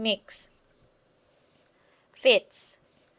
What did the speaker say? Mix. FITS.